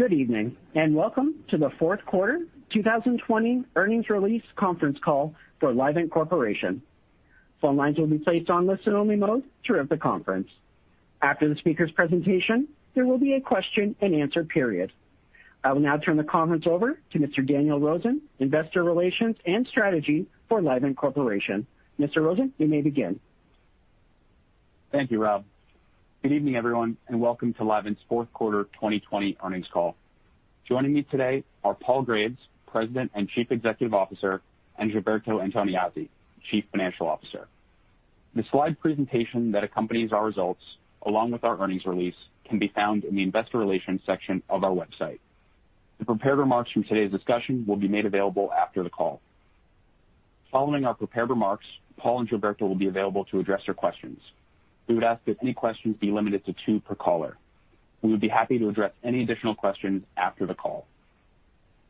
Good evening, and welcome to the fourth quarter 2020 earnings release conference call for Livent Corporation. Phone lines will be placed on listen-only mode throughout the conference. After the speaker's presentation, there will be a question and answer period. I will now turn the conference over to Mr. Daniel Rosen, Investor Relations and Strategy for Livent Corporation. Mr. Rosen, you may begin. Thank you, Rob. Good evening, everyone, and welcome to Livent's fourth quarter 2020 earnings call. Joining me today are Paul Graves, President and Chief Executive Officer, and Gilberto Antoniazzi, Chief Financial Officer. The slide presentation that accompanies our results, along with our earnings release, can be found in the investor relations section of our website. The prepared remarks from today's discussion will be made available after the call. Following our prepared remarks, Paul and Gilberto will be available to address your questions. We would ask that any questions be limited to two per caller. We would be happy to address any additional questions after the call.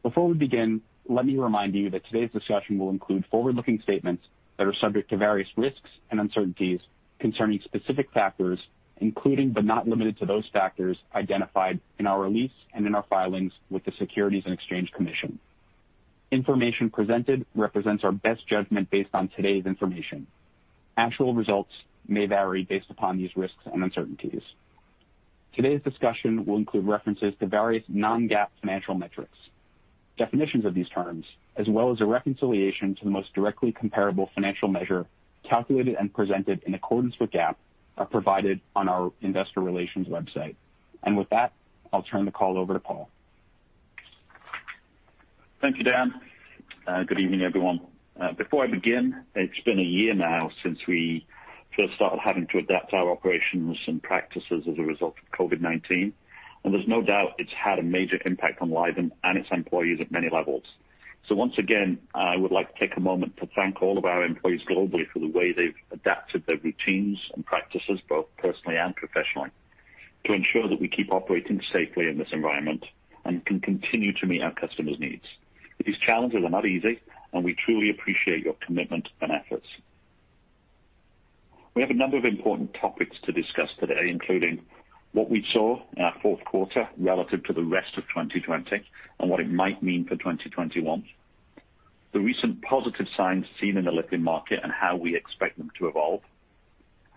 Before we begin, let me remind you that today's discussion will include forward-looking statements that are subject to various risks and uncertainties concerning specific factors, including but not limited to those factors identified in our release and in our filings with the Securities and Exchange Commission. Information presented represents our best judgment based on today's information. Actual results may vary based upon these risks and uncertainties. Today's discussion will include references to various non-GAAP financial metrics. Definitions of these terms, as well as a reconciliation to the most directly comparable financial measure calculated and presented in accordance with GAAP, are provided on our investor relations website. With that, I'll turn the call over to Paul. Thank you, Dan. Good evening, everyone. Before I begin, it's been a year now since we first started having to adapt our operations and practices as a result of COVID-19, and there's no doubt it's had a major impact on Livent and its employees at many levels. Once again, I would like to take a moment to thank all of our employees globally for the way they've adapted their routines and practices, both personally and professionally, to ensure that we keep operating safely in this environment and can continue to meet our customers' needs. These challenges are not easy, and we truly appreciate your commitment and efforts. We have a number of important topics to discuss today, including what we saw in our fourth quarter relative to the rest of 2020 and what it might mean for 2021, the recent positive signs seen in the lithium market and how we expect them to evolve,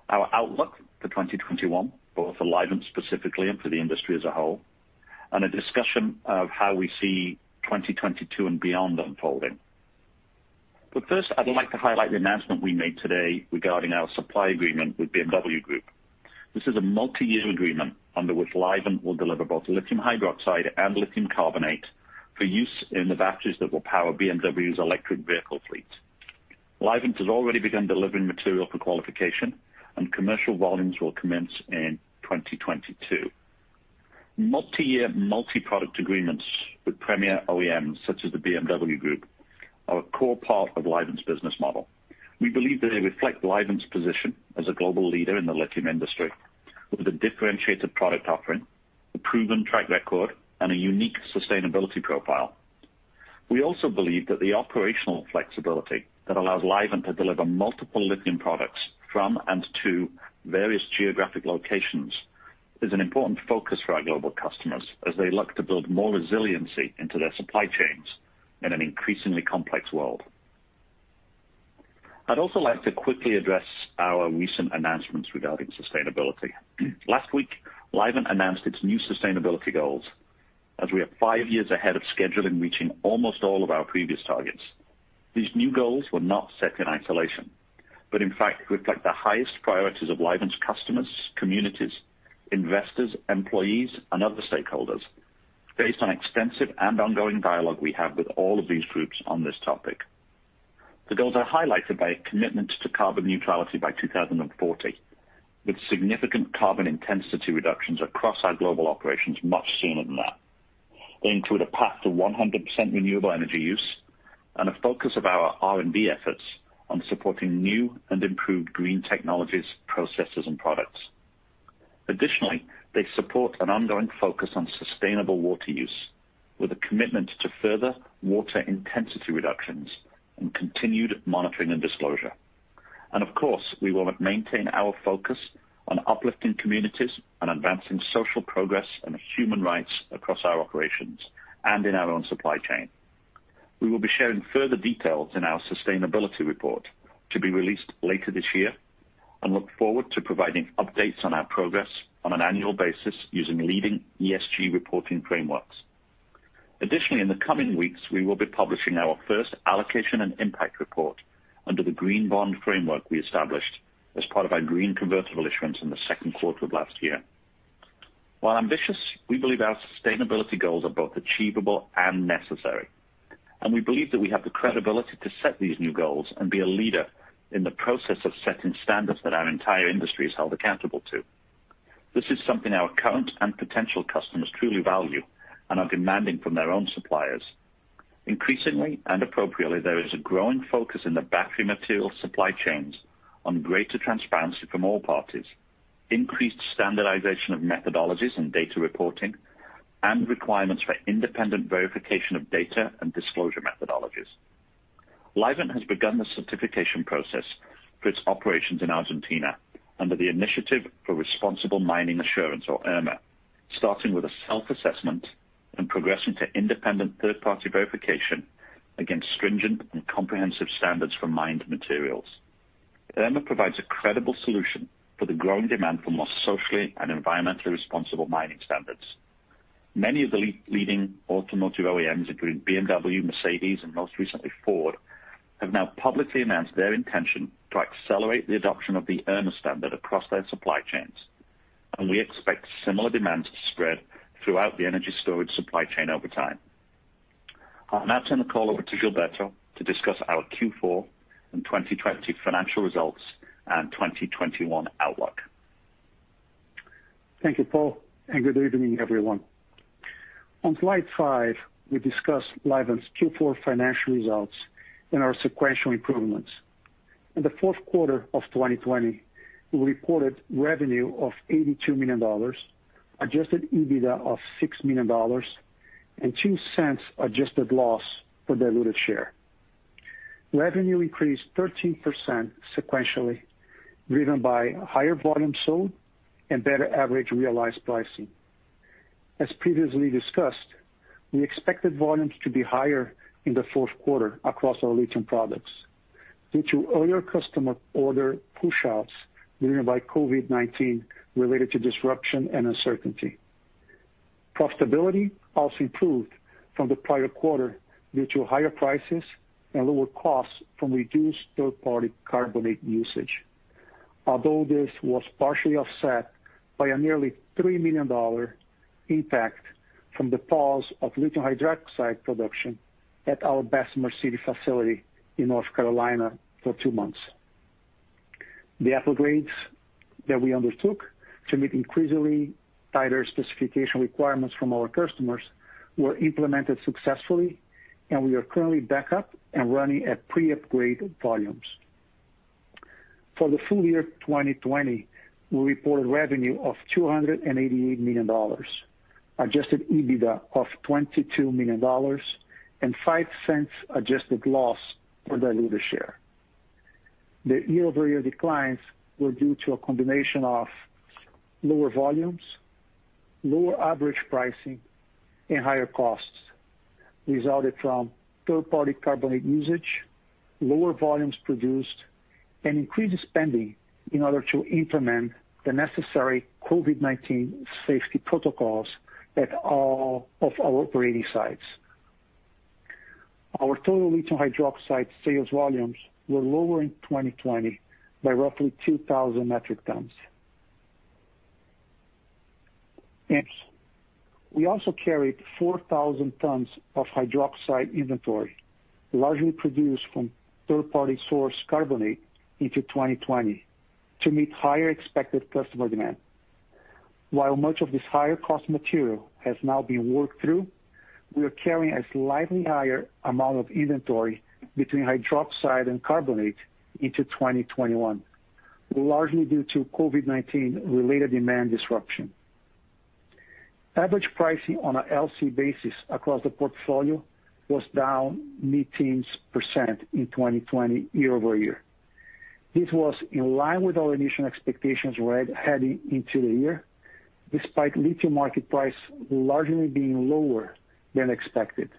our outlook for 2021, both for Livent specifically and for the industry as a whole, and a discussion of how we see 2022 and beyond unfolding. First, I'd like to highlight the announcement we made today regarding our supply agreement with BMW Group. This is a multi-year agreement under which Livent will deliver both lithium hydroxide and lithium carbonate for use in the batteries that will power BMW's electric vehicle fleet. Livent has already begun delivering material for qualification, and commercial volumes will commence in 2022. Multi-year multi-product agreements with premier OEMs such as the BMW Group are a core part of Livent's business model. We believe that they reflect Livent's position as a global leader in the lithium industry with a differentiated product offering, a proven track record, and a unique sustainability profile. We also believe that the operational flexibility that allows Livent to deliver multiple lithium products from and to various geographic locations is an important focus for our global customers as they look to build more resiliency into their supply chains in an increasingly complex world. I'd also like to quickly address our recent announcements regarding sustainability. Last week, Livent announced its new sustainability goals as we are five years ahead of schedule in reaching almost all of our previous targets. These new goals were not set in isolation, but in fact reflect the highest priorities of Livent's customers, communities, investors, employees, and other stakeholders based on extensive and ongoing dialogue we have with all of these groups on this topic. The goals are highlighted by a commitment to carbon neutrality by 2040, with significant carbon intensity reductions across our global operations much sooner than that. They include a path to 100% renewable energy use and a focus of our R&D efforts on supporting new and improved green technologies, processes, and products. Additionally, they support an ongoing focus on sustainable water use with a commitment to further water intensity reductions and continued monitoring and disclosure. Of course, we will maintain our focus on uplifting communities and advancing social progress and human rights across our operations and in our own supply chain. We will be sharing further details in our sustainability report to be released later this year and look forward to providing updates on our progress on an annual basis using leading ESG reporting frameworks. Additionally, in the coming weeks, we will be publishing our first allocation and impact report under the green bond framework we established as part of our green convertible issuance in the second quarter of last year. While ambitious, we believe our sustainability goals are both achievable and necessary, and we believe that we have the credibility to set these new goals and be a leader in the process of setting standards that our entire industry is held accountable to. This is something our current and potential customers truly value and are demanding from their own suppliers. Increasingly and appropriately, there is a growing focus in the battery material supply chains on greater transparency from all parties, increased standardization of methodologies and data reporting, and requirements for independent verification of data and disclosure methodologies. Livent has begun the certification process for its operations in Argentina under the Initiative for Responsible Mining Assurance, or IRMA, starting with a self-assessment and progressing to independent third-party verification against stringent and comprehensive standards for mined materials. IRMA provides a credible solution for the growing demand for more socially and environmentally responsible mining standards. Many of the leading automotive OEMs, including BMW, Mercedes-Benz, and most recently Ford, have now publicly announced their intention to accelerate the adoption of the IRMA standard across their supply chains, and we expect similar demands to spread throughout the energy storage supply chain over time. I'll now turn the call over to Gilberto to discuss our Q4 and 2020 financial results and 2021 outlook. Thank you, Paul, good evening, everyone. On slide five, we discuss Livent's Q4 financial results and our sequential improvements. In the fourth quarter of 2020, we reported revenue of $82 million, adjusted EBITDA of $6 million, and $0.02 adjusted loss per diluted share. Revenue increased 13% sequentially, driven by higher volume sold and better average realized pricing. As previously discussed, we expected volumes to be higher in the fourth quarter across our lithium products due to earlier customer order pushouts driven by COVID-19 related to disruption and uncertainty. Profitability also improved from the prior quarter due to higher prices and lower costs from reduced third-party carbonate usage. This was partially offset by a nearly $3 million impact from the pause of lithium hydroxide production at our Bessemer City facility in North Carolina for two months. The upgrades that we undertook to meet increasingly tighter specification requirements from our customers were implemented successfully, and we are currently back up and running at pre-upgrade volumes. For the full year 2020, we reported revenue of $288 million, adjusted EBITDA of $22 million, and $0.05 adjusted loss per diluted share. The year-over-year declines were due to a combination of lower volumes, lower average pricing, and higher costs resulted from third-party carbonate usage, lower volumes produced, and increased spending in order to implement the necessary COVID-19 safety protocols at all of our operating sites. Our total lithium hydroxide sales volumes were lower in 2020 by roughly 2,000 metric tons. We also carried 4,000 tons of hydroxide inventory, largely produced from third-party sourced carbonate into 2020 to meet higher expected customer demand. While much of this higher-cost material has now been worked through, we are carrying a slightly higher amount of inventory between hydroxide and carbonate into 2021, largely due to COVID-19 related demand disruption. Average pricing on a LCE basis across the portfolio was down mid-teens% in 2020 year-over-year. This was in line with our initial expectations heading into the year, despite lithium market price largely being lower than expected,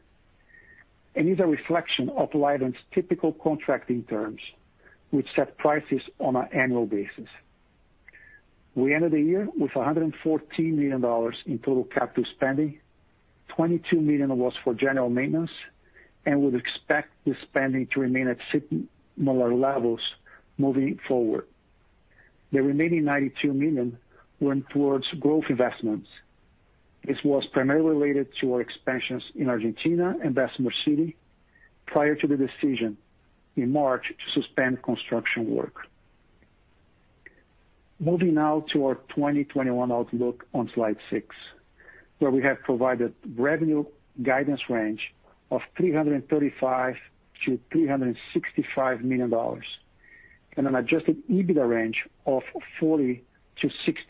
and is a reflection of Livent's typical contracting terms, which set prices on an annual basis. We ended the year with $114 million in total capital spending, $22 million was for general maintenance, and we'd expect the spending to remain at similar levels moving forward. The remaining $92 million went towards growth investments. This was primarily related to our expansions in Argentina and Bessemer City prior to the decision in March to suspend construction work. Moving now to our 2021 outlook on slide six, where we have provided revenue guidance range of $335 million-$365 million, and an adjusted EBITDA range of $40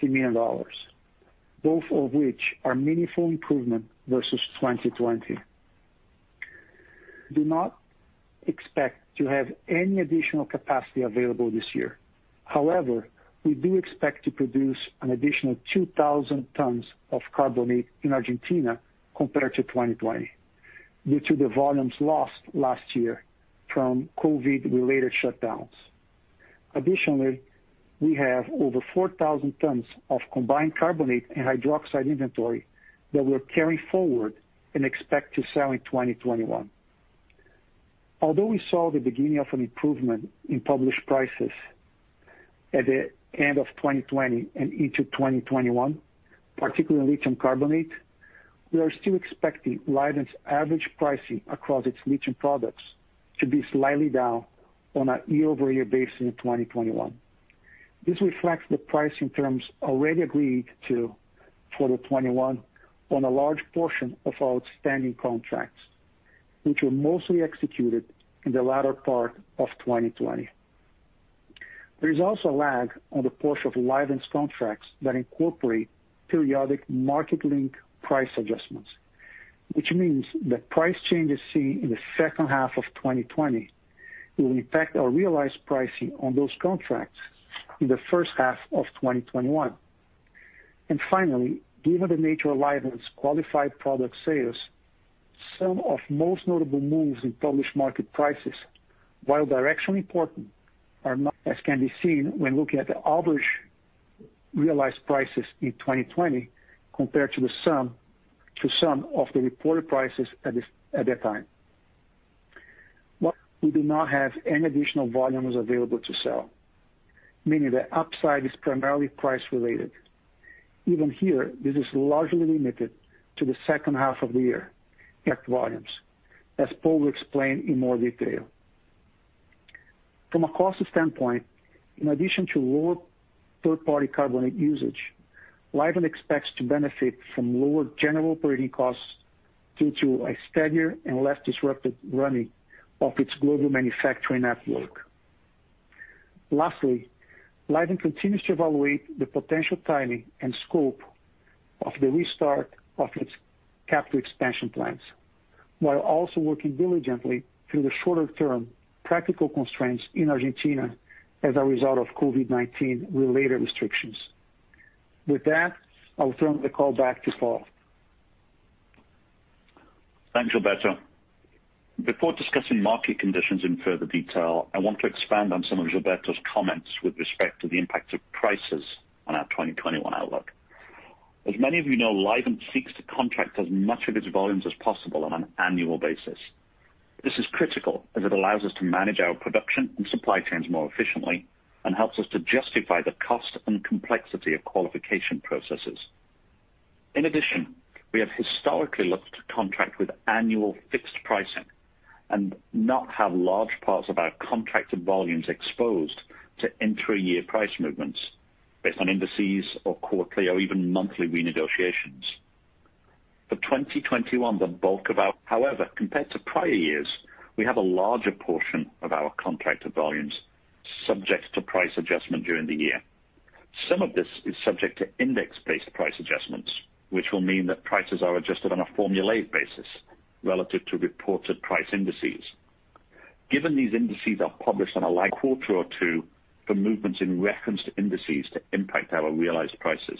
million-$60 million, both of which are meaningful improvement versus 2020. We do not expect to have any additional capacity available this year. We do expect to produce an additional 2,000 tons of carbonate in Argentina compared to 2020 due to the volumes lost last year from COVID-related shutdowns. We have over 4,000 tons of combined carbonate and hydroxide inventory that we're carrying forward and expect to sell in 2021. We saw the beginning of an improvement in published prices at the end of 2020 and into 2021, particularly in lithium carbonate, we are still expecting Livent's average pricing across its lithium products to be slightly down on a year-over-year basis in 2021. This reflects the pricing terms already agreed to for the 2021 on a large portion of our outstanding contracts, which were mostly executed in the latter part of 2020. There is also a lag on the portion of Livent's contracts that incorporate periodic market link price adjustments, which means that price changes seen in the second half of 2020 will impact our realized pricing on those contracts in the first half of 2021. Finally, given the nature of Livent's qualified product sales, some of most notable moves in published market prices, while directionally important, are not as can be seen when looking at the average realized prices in 2020 compared to some of the reported prices at that time. We do not have any additional volumes available to sell, meaning the upside is primarily price-related. Even here, this is largely limited to the second half of the year at volumes, as Paul will explain in more detail. From a cost standpoint, in addition to lower third-party carbonate usage, Livent expects to benefit from lower general operating costs due to a steadier and less disrupted running of its global manufacturing network. Lastly, Livent continues to evaluate the potential timing and scope of the restart of its capital expansion plans, while also working diligently through the shorter-term practical constraints in Argentina as a result of COVID-19 related restrictions. With that, I'll turn the call back to Paul. Thanks, Gilberto. Before discussing market conditions in further detail, I want to expand on some of Gilberto's comments with respect to the impact of prices on our 2021 outlook. As many of you know, Livent seeks to contract as much of its volumes as possible on an annual basis. This is critical as it allows us to manage our production and supply chains more efficiently and helps us to justify the cost and complexity of qualification processes. In addition, we have historically looked to contract with annual fixed pricing and not have large parts of our contracted volumes exposed to intra-year price movements based on indices or quarterly or even monthly renegotiations. For 2021, however, compared to prior years, we have a larger portion of our contracted volumes subject to price adjustment during the year. Some of this is subject to index-based price adjustments, which will mean that prices are adjusted on a formulaic basis relative to reported price indices. Given these indices are published on a lag quarter or two for movements in referenced indices to impact our realized prices.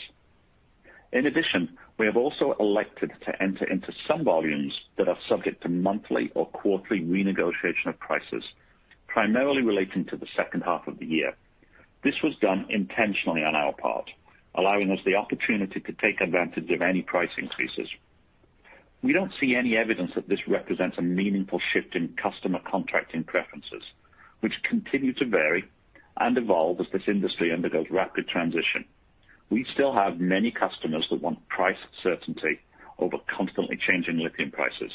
In addition, we have also elected to enter into some volumes that are subject to monthly or quarterly renegotiation of prices, primarily relating to the second half of the year. This was done intentionally on our part, allowing us the opportunity to take advantage of any price increases. We don't see any evidence that this represents a meaningful shift in customer contracting preferences, which continue to vary and evolve as this industry undergoes rapid transition. We still have many customers that want price certainty over constantly changing lithium prices.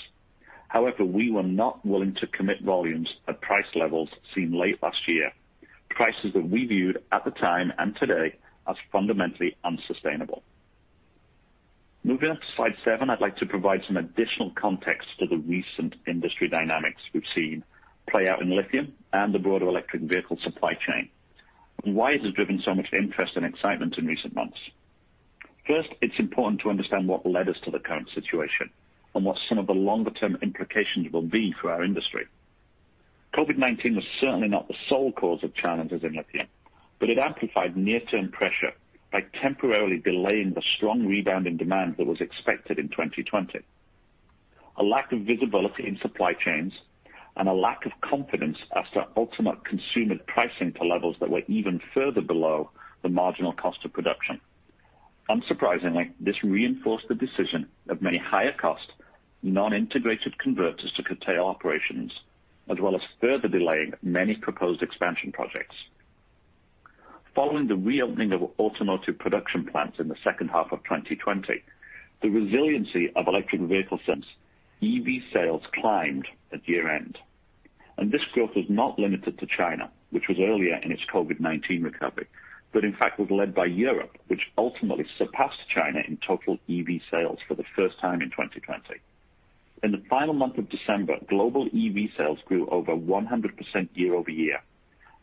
However, we were not willing to commit volumes at price levels seen late last year, prices that we viewed at the time and today as fundamentally unsustainable. Moving on to slide seven, I'd like to provide some additional context to the recent industry dynamics we've seen play out in lithium and the broader electric vehicle supply chain, and why it has driven so much interest and excitement in recent months. First, it's important to understand what led us to the current situation and what some of the longer-term implications will be for our industry. COVID-19 was certainly not the sole cause of challenges in lithium, but it amplified near-term pressure by temporarily delaying the strong rebound in demand that was expected in 2020. A lack of visibility in supply chains and a lack of confidence as to ultimate consumer pricing to levels that were even further below the marginal cost of production. Unsurprisingly, this reinforced the decision of many higher cost, non-integrated converters to curtail operations, as well as further delaying many proposed expansion projects. Following the reopening of automotive production plants in the second half of 2020, the resiliency of electric vehicle sales, EV sales climbed at year end. This growth was not limited to China, which was earlier in its COVID-19 recovery, but in fact was led by Europe, which ultimately surpassed China in total EV sales for the first time in 2020. In the final month of December, global EV sales grew over 100% year-over-year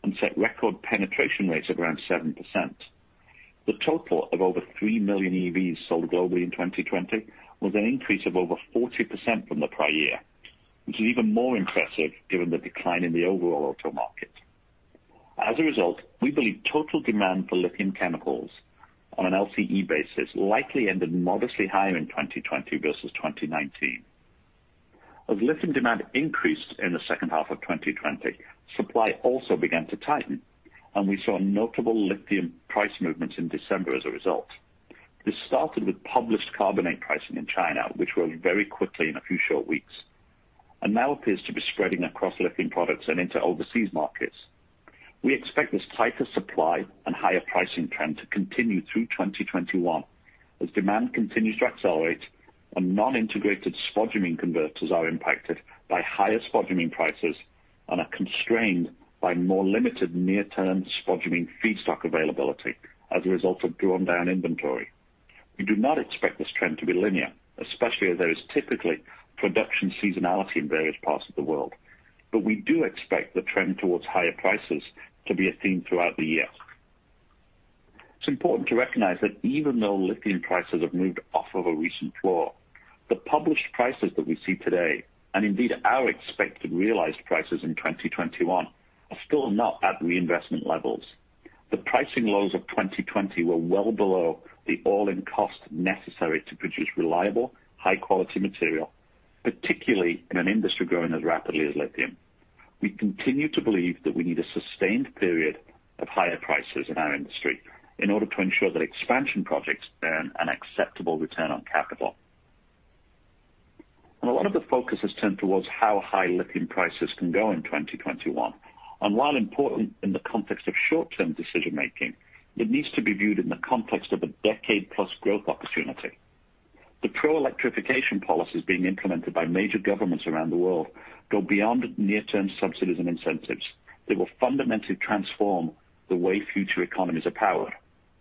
and set record penetration rates of around 7%. The total of over three million EVs sold globally in 2020 was an increase of over 40% from the prior year, which is even more impressive given the decline in the overall auto market. As a result, we believe total demand for lithium chemicals on an LCE basis likely ended modestly higher in 2020 versus 2019. As lithium demand increased in the second half of 2020, supply also began to tighten, and we saw notable lithium price movements in December as a result. This started with published carbonate pricing in China, which rose very quickly in a few short weeks, and now appears to be spreading across lithium products and into overseas markets. We expect this tighter supply and higher pricing trend to continue through 2021 as demand continues to accelerate and non-integrated spodumene converters are impacted by higher spodumene prices and are constrained by more limited near-term spodumene feedstock availability as a result of drawn-down inventory. We do not expect this trend to be linear, especially as there is typically production seasonality in various parts of the world. We do expect the trend towards higher prices to be a theme throughout the year. It's important to recognize that even though lithium prices have moved off of a recent floor, the published prices that we see today, and indeed our expected realized prices in 2021, are still not at reinvestment levels. The pricing lows of 2020 were well below the all-in cost necessary to produce reliable, high-quality material, particularly in an industry growing as rapidly as lithium. We continue to believe that we need a sustained period of higher prices in our industry in order to ensure that expansion projects earn an acceptable return on capital. A lot of the focus has turned towards how high lithium prices can go in 2021. While important in the context of short-term decision-making, it needs to be viewed in the context of a decade-plus growth opportunity. The pro-electrification policies being implemented by major governments around the world go beyond near-term subsidies and incentives. They will fundamentally transform the way future economies are powered.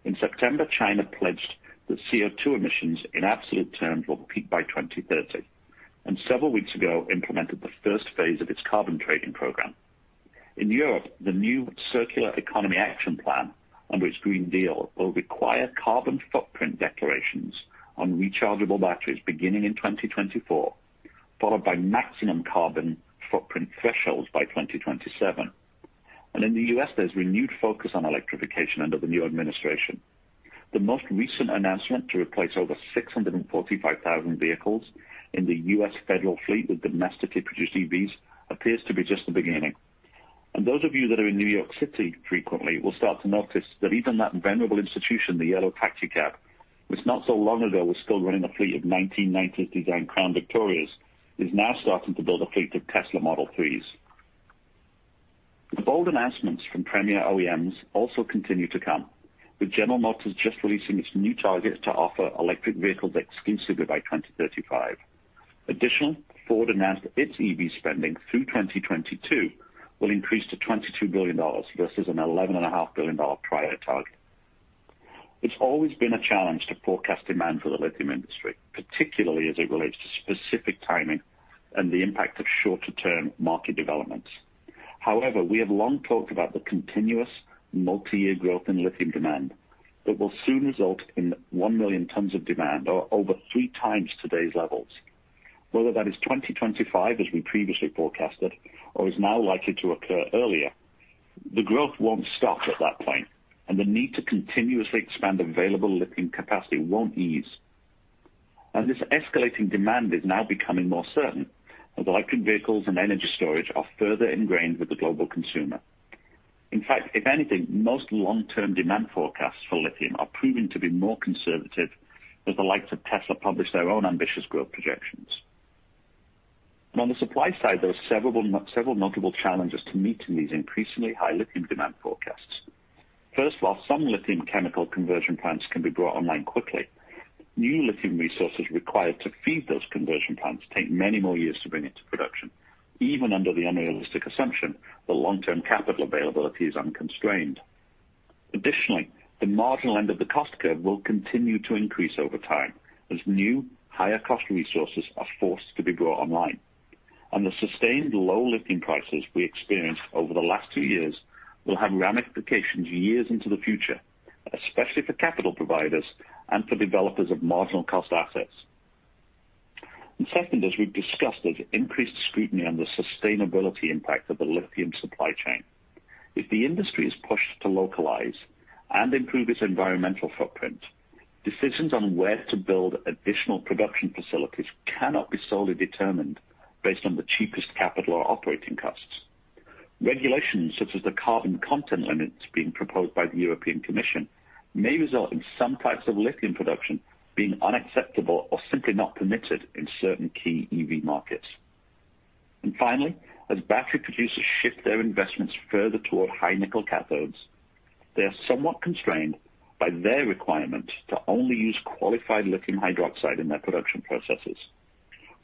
In September, China pledged that CO2 emissions in absolute terms will peak by 2030, and several weeks ago implemented the first phase of its carbon trading program. In Europe, the new Circular Economy Action Plan, under its Green Deal, will require carbon footprint declarations on rechargeable batteries beginning in 2024, followed by maximum carbon footprint thresholds by 2027. In the U.S., there's renewed focus on electrification under the new administration. The most recent announcement to replace over 645,000 vehicles in the U.S. federal fleet with domestically produced EVs appears to be just the beginning. Those of you that are in New York City frequently will start to notice that even that venerable institution, the yellow taxi cab, which not so long ago was still running a fleet of 1990s design Crown Victorias, is now starting to build a fleet of Tesla Model 3s. The bold announcements from premier OEMs also continue to come, with General Motors just releasing its new target to offer electric vehicles exclusively by 2035. Additionally, Ford announced its EV spending through 2022 will increase to $22 billion versus an $11.5 billion prior target. It's always been a challenge to forecast demand for the lithium industry, particularly as it relates to specific timing and the impact of shorter-term market developments. However, we have long talked about the continuous multi-year growth in lithium demand that will soon result in one million tons of demand, or over three times today's levels. Whether that is 2025, as we previously forecasted or is now likely to occur earlier, the growth won't stop at that point and the need to continuously expand available lithium capacity won't ease. As this escalating demand is now becoming more certain as electric vehicles and energy storage are further ingrained with the global consumer. In fact, if anything, most long-term demand forecasts for lithium are proving to be more conservative as the likes of Tesla publish their own ambitious growth projections. On the supply side, there are several notable challenges to meeting these increasingly high lithium demand forecasts. First, while some lithium chemical conversion plants can be brought online quickly, new lithium resources required to feed those conversion plants take many more years to bring into production, even under the unrealistic assumption the long-term capital availability is unconstrained. Additionally, the marginal end of the cost curve will continue to increase over time as new, higher-cost resources are forced to be brought online, and the sustained low lithium prices we experienced over the last two years will have ramifications years into the future, especially for capital providers and for developers of marginal cost assets. Second, as we've discussed, there's increased scrutiny on the sustainability impact of the lithium supply chain. If the industry is pushed to localize and improve its environmental footprint, decisions on where to build additional production facilities cannot be solely determined based on the cheapest capital or operating costs. Regulations such as the carbon content limits being proposed by the European Commission may result in some types of lithium production being unacceptable or simply not permitted in certain key EV markets. Finally, as battery producers shift their investments further toward high nickel cathodes, they are somewhat constrained by their requirement to only use qualified lithium hydroxide in their production processes.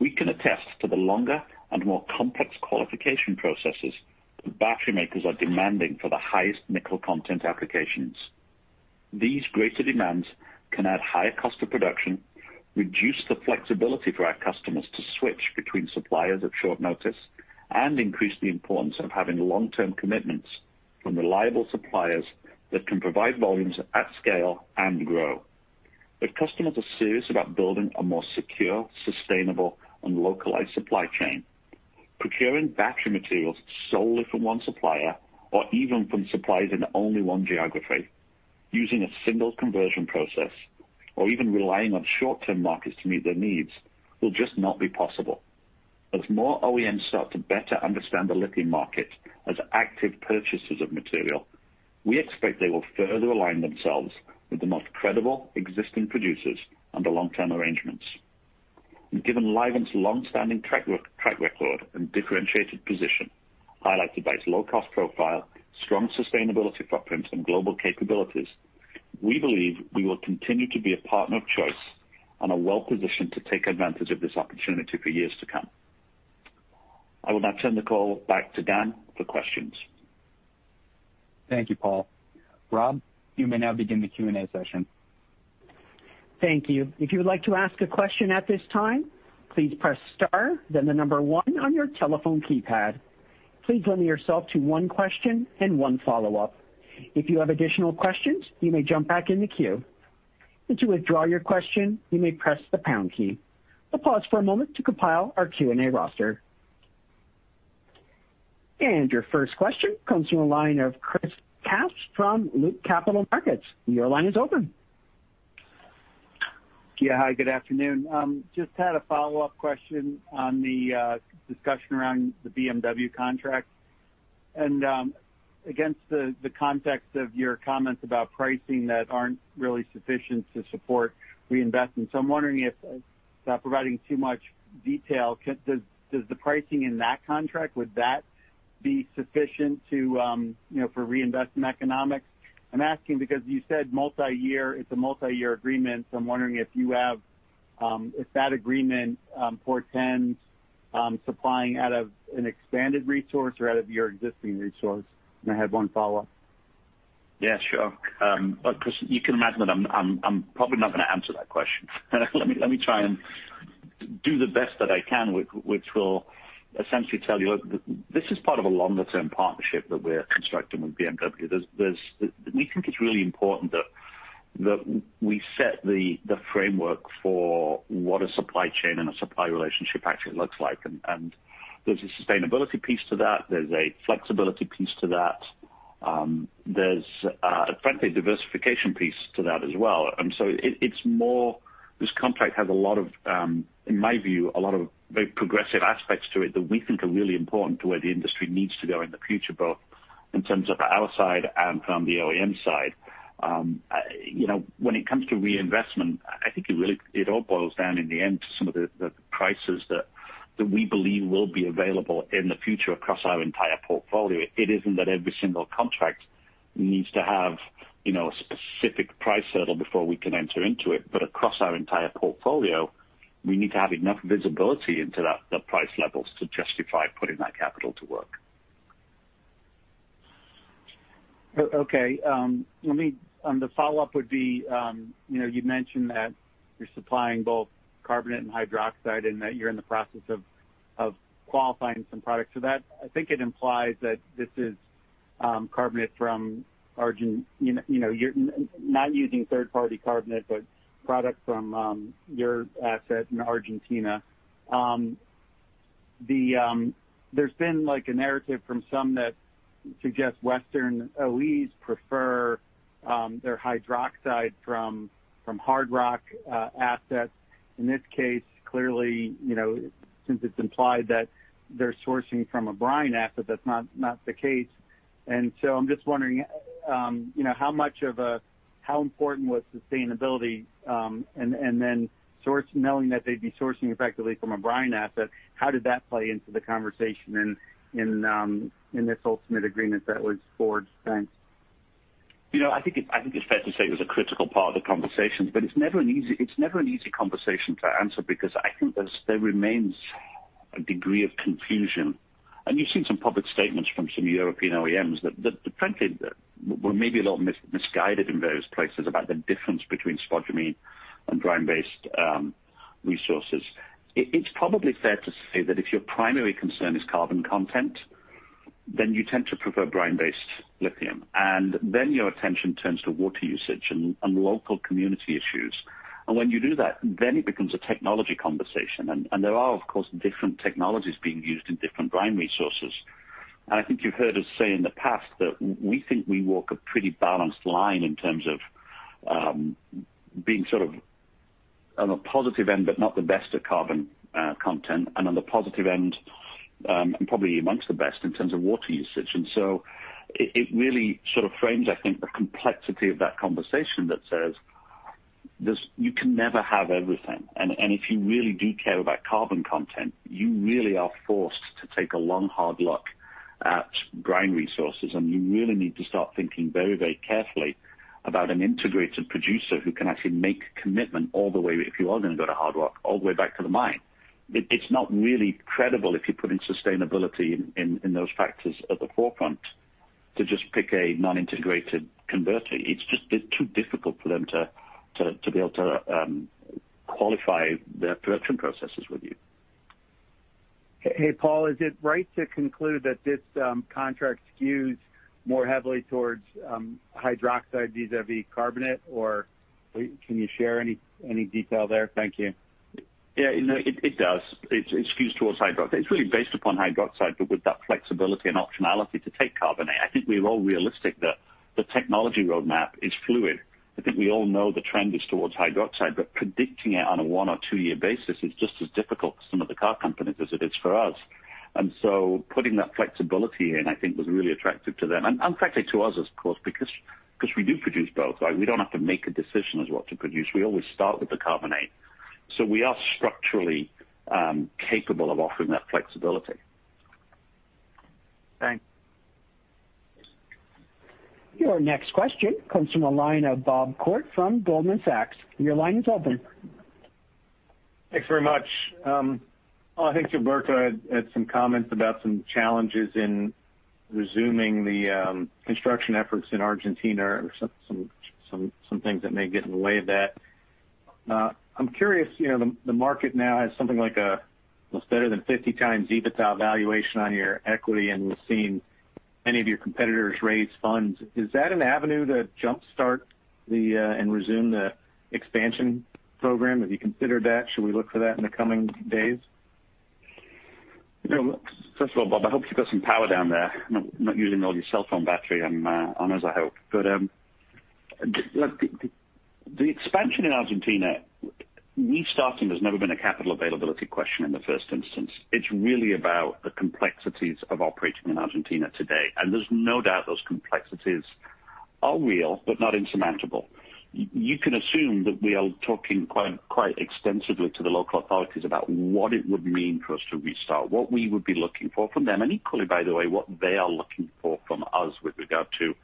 We can attest to the longer and more complex qualification processes that battery makers are demanding for the highest nickel content applications. These greater demands can add higher cost to production, reduce the flexibility for our customers to switch between suppliers at short notice, and increase the importance of having long-term commitments from reliable suppliers that can provide volumes at scale and grow. If customers are serious about building a more secure, sustainable and localized supply chain, procuring battery materials solely from one supplier or even from suppliers in only one geography using a single conversion process or even relying on short-term markets to meet their needs will just not be possible. As more OEMs start to better understand the lithium market as active purchasers of material, we expect they will further align themselves with the most credible existing producers under long-term arrangements. Given Livent's longstanding track record and differentiated position, highlighted by its low-cost profile, strong sustainability footprint and global capabilities, we believe we will continue to be a partner of choice and are well positioned to take advantage of this opportunity for years to come. I will now turn the call back to Dan for questions. Thank you, Paul. Bob, you may now begin the Q&A session. Thank you. If you like to ask a question at this time please press star then number one on your telephone keypad. Please limit yourself to one question and one follow up. If you have additional questions you may jump back in the queue. To withdraw your question you may press the pound key. We will pause for a moment to combine the Q&A roster. Your first question comes from the line of Chris Kapsch from Loop Capital Markets. Your line is open. Hi, good afternoon. Just had a follow-up question on the discussion around the BMW contract and against the context of your comments about pricing that aren't really sufficient to support reinvestment. I'm wondering if, without providing too much detail, does the pricing in that contract, would that be sufficient for reinvestment economics? I'm asking because you said it's a multi-year agreement, so I'm wondering if that agreement portends supplying out of an expanded resource or out of your existing resource? I had one follow-up. Yeah, sure. Chris, you can imagine that I'm probably not going to answer that question. Let me try and do the best that I can, which will essentially tell you, look, this is part of a longer-term partnership that we're constructing with BMW. We think it's really important that we set the framework for what a supply chain and a supply relationship actually looks like. There's a sustainability piece to that, there's a flexibility piece to that. There's a, frankly, diversification piece to that as well. This contract has, in my view, a lot of very progressive aspects to it that we think are really important to where the industry needs to go in the future, both in terms of our side and from the OEM side. When it comes to reinvestment, I think it all boils down, in the end, to some of the prices that we believe will be available in the future across our entire portfolio. It isn't that every single contract needs to have a specific price hurdle before we can enter into it, but across our entire portfolio, we need to have enough visibility into the price levels to justify putting that capital to work. Okay. The follow-up would be, you mentioned that you're supplying both carbonate and hydroxide and that you're in the process of qualifying some products for that. I think it implies that this is carbonate, you're not using third-party carbonate, but product from your asset in Argentina. There's been a narrative from some that suggests Western OEMs prefer their hydroxide from hard rock assets. In this case, clearly, since it's implied that they're sourcing from a brine asset, that's not the case. I'm just wondering, how important was sustainability? Knowing that they'd be sourcing effectively from a brine asset, how did that play into the conversation in this ultimate agreement that was forged? Thanks. I think it's fair to say it was a critical part of the conversations, but it's never an easy conversation to answer because I think there remains a degree of confusion. You've seen some public statements from some European OEMs that frankly were maybe a little misguided in various places about the difference between spodumene and brine-based resources. It's probably fair to say that if your primary concern is carbon content, then you tend to prefer brine-based lithium, then your attention turns to water usage and local community issues. When you do that, then it becomes a technology conversation. There are, of course, different technologies being used in different brine resources. I think you've heard us say in the past that we think we walk a pretty balanced line in terms of being sort of on a positive end, but not the best at carbon content and on the positive end and probably amongst the best in terms of water usage. It really sort of frames, I think, the complexity of that conversation that says you can never have everything. If you really do care about carbon content, you really are forced to take a long, hard look at brine resources, and you really need to start thinking very carefully about an integrated producer who can actually make a commitment all the way, if you are going to go to hard rock, all the way back to the mine. It's not really credible if you're putting sustainability and those factors at the forefront to just pick a non-integrated converter. It's just too difficult for them to be able to qualify their production processes with you. Hey, Paul, is it right to conclude that this contract skews more heavily towards hydroxide vis-a-vis carbonate, or can you share any detail there? Thank you. Yeah. It does. It skews towards hydroxide. It's really based upon hydroxide, but with that flexibility and optionality to take carbonate. I think we're all realistic that the technology roadmap is fluid. I think we all know the trend is towards hydroxide, but predicting it on a one or two-year basis is just as difficult for some of the car companies as it is for us. Putting that flexibility in, I think, was really attractive to them and frankly, to us, of course, because we do produce both. We don't have to make a decision as to what to produce. We always start with the carbonate. We are structurally capable of offering that flexibility. Thanks. Your next question comes from the line of Bob Koort from Goldman Sachs. Your line is open. Thanks very much. I think Gilberto had some comments about some challenges in resuming the construction efforts in Argentina or some things that may get in the way of that. I'm curious, the market now has something like a, what's better than 50 times EBITDA valuation on your equity, and we're seeing many of your competitors raise funds. Is that an avenue to jumpstart and resume the expansion program? Have you considered that? Should we look for that in the coming days? First of all, Bob, I hope you've got some power down there. Not using all your cell phone battery on us, I hope. The expansion in Argentina, restarting has never been a capital availability question in the first instance. It's really about the complexities of operating in Argentina today. There's no doubt those complexities are real, but not insurmountable. You can assume that we are talking quite extensively to the local authorities about what it would mean for us to restart, what we would be looking for from them. Equally, by the way, what they are looking for from us with regard to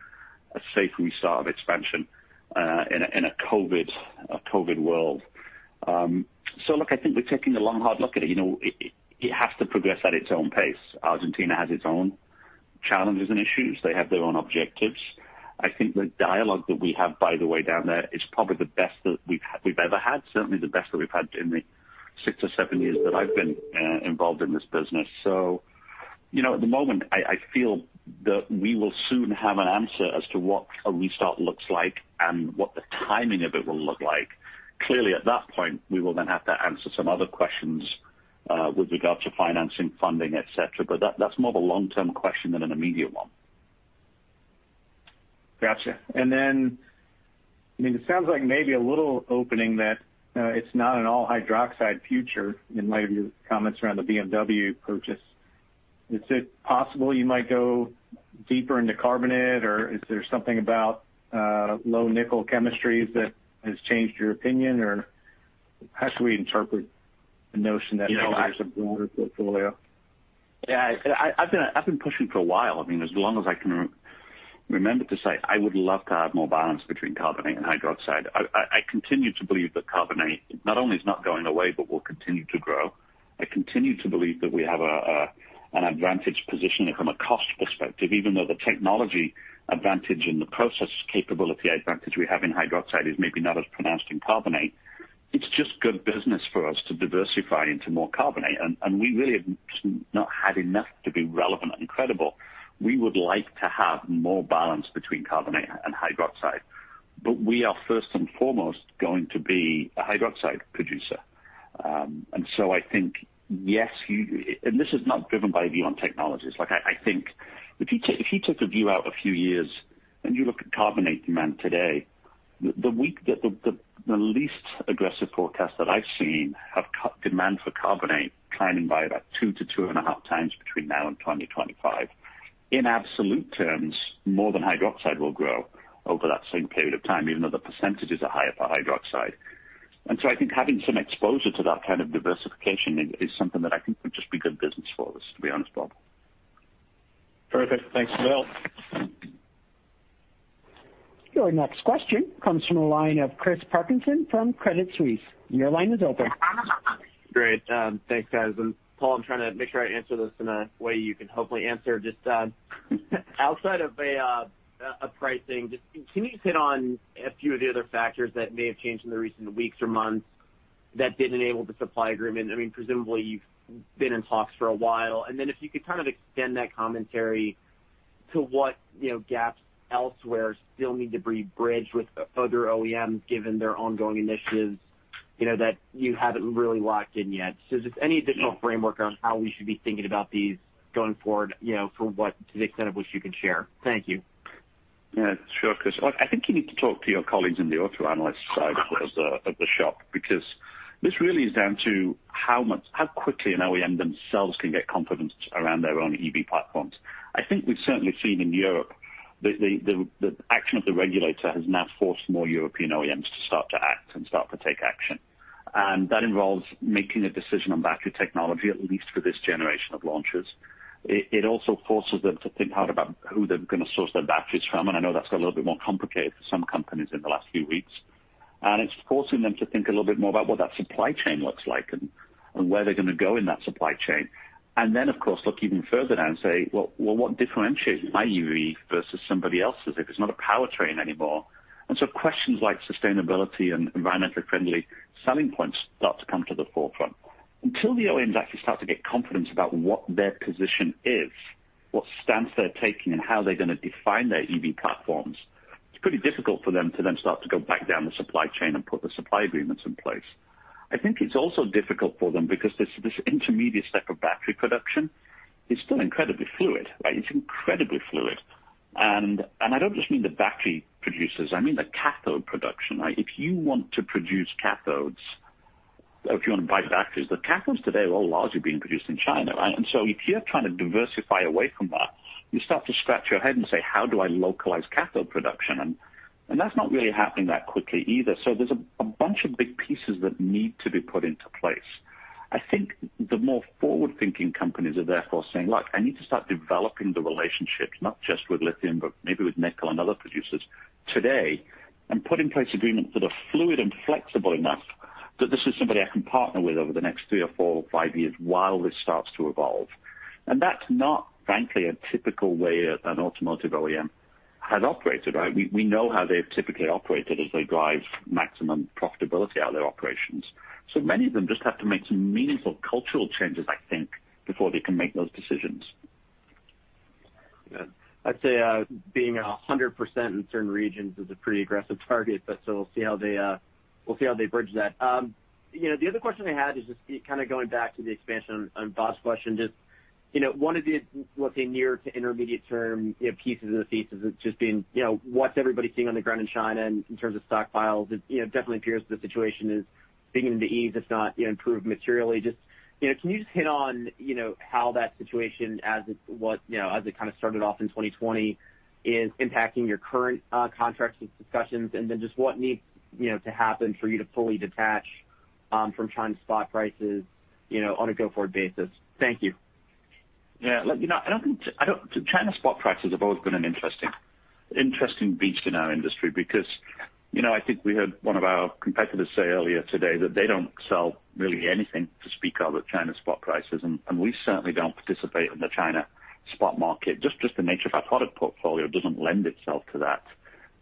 a safe restart of expansion in a COVID-19 world. Look, I think we're taking a long, hard look at it. It has to progress at its own pace. Argentina has its own challenges and issues. They have their own objectives. I think the dialogue that we have, by the way, down there is probably the best that we've ever had, certainly the best that we've had in the six or seven years that I've been involved in this business. At the moment, I feel that we will soon have an answer as to what a restart looks like and what the timing of it will look like. Clearly, at that point, we will then have to answer some other questions with regard to financing, funding, et cetera, but that's more of a long-term question than an immediate one. Got you. It sounds like maybe a little opening that it's not an all hydroxide future in light of your comments around the BMW purchase. Is it possible you might go deeper into carbonate, or is there something about low nickel chemistries that has changed your opinion, or how should we interpret the notion that there's a broader portfolio? Yeah. I've been pushing for a while, as long as I can remember, to say I would love to have more balance between carbonate and hydroxide. I continue to believe that carbonate not only is not going away, but will continue to grow. I continue to believe that we have an advantage position from a cost perspective, even though the technology advantage and the process capability advantage we have in hydroxide is maybe not as pronounced in carbonate. It's just good business for us to diversify into more carbonate, and we really have not had enough to be relevant and credible. We would like to have more balance between carbonate and hydroxide. We are first and foremost going to be a hydroxide producer. I think, yes, and this is not driven by view on technologies. I think if you took a view out a few years and you look at carbonate demand today, the least aggressive forecast that I've seen have demand for carbonate climbing by about two to two and a half times between now and 2025. In absolute terms, more than hydroxide will grow over that same period of time, even though the percentages are higher for hydroxide. I think having some exposure to that kind of diversification is something that I think would just be good business for us, to be honest, Bob. Perfect. Thanks as well. Your next question comes from the line of Chris Parkinson from Credit Suisse. Your line is open. Great. Thanks, guys. Paul, I'm trying to make sure I answer this in a way you can hopefully answer. Just outside of a pricing, just can you hit on a few of the other factors that may have changed in the recent weeks or months that didn't enable the supply agreement? Presumably you've been in talks for a while. Then if you could kind of extend that commentary to what gaps elsewhere still need to be bridged with other OEMs, given their ongoing initiatives, that you haven't really locked in yet. Just any additional framework on how we should be thinking about these going forward, for what, to the extent of which you can share? Thank you. Yeah, sure, Chris. I think you need to talk to your colleagues in the auto analyst side of the shop, because this really is down to how quickly an OEM themselves can get confidence around their own EV platforms. I think we've certainly seen in Europe the action of the regulator has now forced more European OEMs to start to act and start to take action. That involves making a decision on battery technology, at least for this generation of launches. It also forces them to think hard about who they're going to source their batteries from, and I know that's got a little bit more complicated for some companies in the last few weeks. It's forcing them to think a little bit more about what that supply chain looks like and where they're going to go in that supply chain. Then, of course, look even further down and say, "Well, what differentiates my EV versus somebody else's if it's not a powertrain anymore?" So questions like sustainability and environmentally friendly selling points start to come to the forefront. Until the OEMs actually start to get confidence about what their position is, what stance they're taking, and how they're going to define their EV platforms, it's pretty difficult for them to then start to go back down the supply chain and put the supply agreements in place. I think it's also difficult for them because this intermediate step of battery production is still incredibly fluid. It's incredibly fluid. I don't just mean the battery producers, I mean the cathode production. If you want to produce cathodes, if you want to buy batteries, the cathodes today are all largely being produced in China. If you're trying to diversify away from that, you start to scratch your head and say, "How do I localize cathode production?" That's not really happening that quickly either. There's a bunch of big pieces that need to be put into place. I think the more forward-thinking companies are therefore saying, "Look, I need to start developing the relationships, not just with lithium, but maybe with nickel and other producers today, and put in place agreements that are fluid and flexible enough that this is somebody I can partner with over the next three or four or five years while this starts to evolve." That's not, frankly, a typical way an automotive OEM has operated, right? We know how they've typically operated as they drive maximum profitability out of their operations. Many of them just have to make some meaningful cultural changes, I think, before they can make those decisions. Yeah. I'd say being 100% in certain regions is a pretty aggressive target, but so we'll see how they bridge that. The other question I had is just kind of going back to the expansion on Bob's question, just one of the, let's say, near to intermediate term pieces of the thesis is just being what's everybody seeing on the ground in China in terms of stockpiles? It definitely appears the situation is beginning to ease, if not improve materially. Just can you just hit on how that situation as it kind of started off in 2020 is impacting your current contracts and discussions, and then just what needs to happen for you to fully detach from China spot prices on a go-forward basis? Thank you. Yeah. Look, China spot prices have always been an interesting beast in our industry because I think we heard one of our competitors say earlier today that they don't sell really anything to speak of at China spot prices, and we certainly don't participate in the China spot market. Just the nature of our product portfolio doesn't lend itself to that,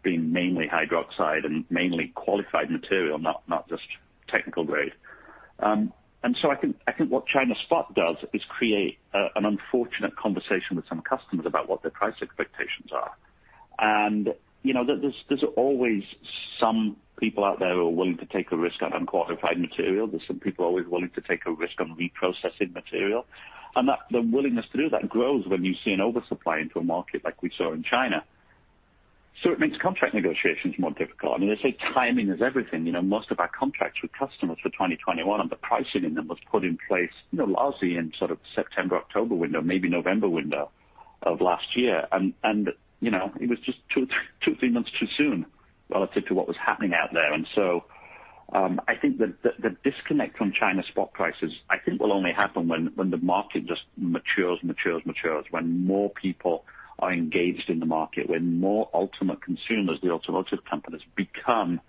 being mainly hydroxide and mainly qualified material, not just technical grade. I think what China spot does is create an unfortunate conversation with some customers about what their price expectations are. There's always some people out there who are willing to take a risk on unqualified material. There's some people always willing to take a risk on reprocessing material, and the willingness to do that grows when you see an oversupply into a market like we saw in China. It makes contract negotiations more difficult. They say timing is everything. Most of our contracts with customers for 2021 and the pricing in them was put in place largely in sort of September, October window, maybe November window of last year. It was just two, three months too soon relative to what was happening out there. I think the disconnect from China spot prices, I think will only happen when the market just matures. When more people are engaged in the market, when more ultimate consumers, the automotive companies, become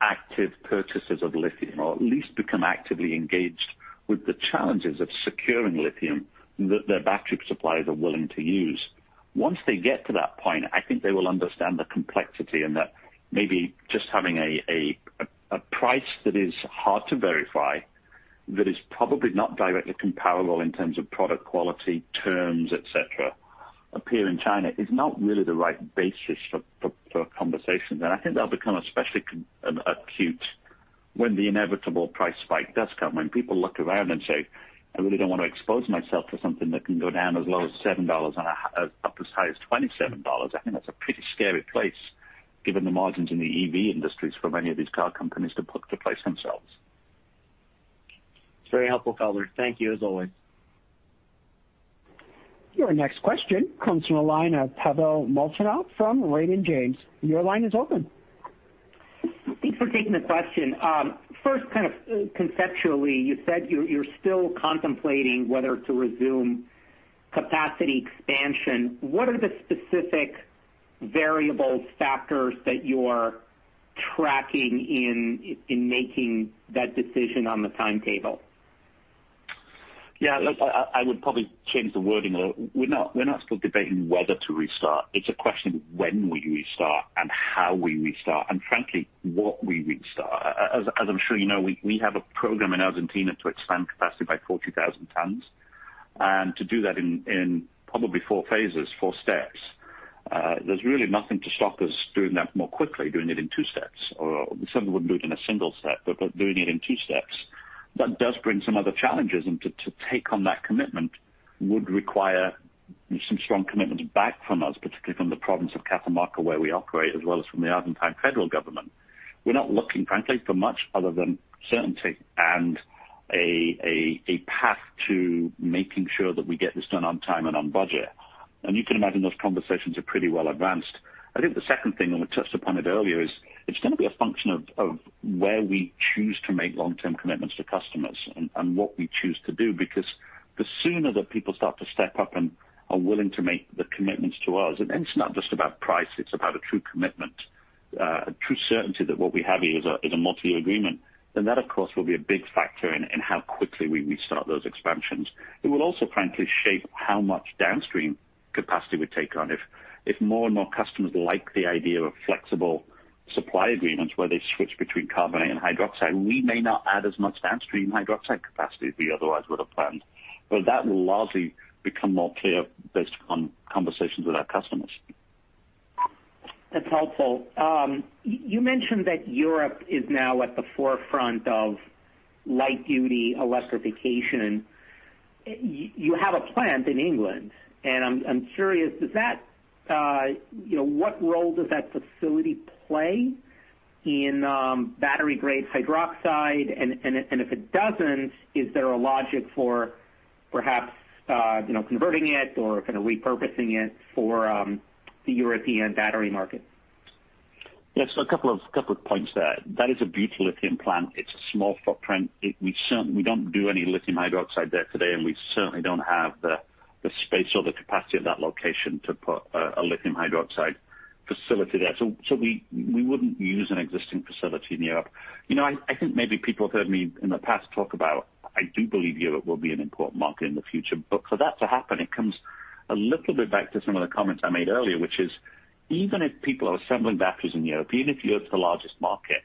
active purchasers of lithium or at least become actively engaged with the challenges of securing lithium that their battery suppliers are willing to use. Once they get to that point, I think they will understand the complexity and that maybe just having a price that is hard to verify, that is probably not directly comparable in terms of product quality, terms, et cetera, appear in China is not really the right basis for conversations. I think that'll become especially acute when the inevitable price spike does come, when people look around and say, "I really don't want to expose myself to something that can go down as low as $7 and up as high as $27." I think that's a pretty scary place, given the margins in the EV industries for many of these car companies to put to place themselves. It's very helpful, Paul. Thank you, as always. Your next question comes from the line of Pavel Molchanov from Raymond James. Your line is open. Thanks for taking the question. First, kind of conceptually, you said you're still contemplating whether to resume capacity expansion. What are the specific variables, factors that you're tracking in making that decision on the timetable? Yeah, look, I would probably change the wording a little. We're not still debating whether to restart. It's a question of when we restart and how we restart, and frankly, what we restart. As I'm sure you know, we have a program in Argentina to expand capacity by 40,000 tons and to do that in probably four phases, four steps. There's really nothing to stop us doing that more quickly, doing it in two steps, or some would do it in a single step, but doing it in two steps, that does bring some other challenges. To take on that commitment would require some strong commitments back from us, particularly from the province of Catamarca, where we operate, as well as from the Argentine federal government. We're not looking, frankly, for much other than certainty and a path to making sure that we get this done on time and on budget. You can imagine those conversations are pretty well advanced. I think the second thing, and we touched upon it earlier, is it's going to be a function of where we choose to make long-term commitments to customers and what we choose to do. The sooner that people start to step up and are willing to make the commitments to us, and it's not just about price, it's about a true commitment, a true certainty that what we have here is a multi-year agreement. That, of course, will be a big factor in how quickly we restart those expansions. It will also, frankly, shape how much downstream capacity we take on. If more and more customers like the idea of flexible supply agreements where they switch between carbonate and hydroxide, we may not add as much downstream hydroxide capacity as we otherwise would have planned. That will largely become more clear based on conversations with our customers. That's helpful. You mentioned that Europe is now at the forefront of light-duty electrification. You have a plant in England, and I'm curious, what role does that facility play in battery-grade hydroxide? If it doesn't, is there a logic for perhaps converting it or kind of repurposing it for the European battery market? Yes, a couple of points there. That is a beautiful lithium plant. It's a small footprint. We don't do any lithium hydroxide there today, and we certainly don't have the space or the capacity of that location to put a lithium hydroxide facility there. We wouldn't use an existing facility in Europe. I think maybe people have heard me in the past talk about, I do believe Europe will be an important market in the future. For that to happen, it comes a little bit back to some of the comments I made earlier, which is even if people are assembling batteries in Europe, even if Europe is the largest market,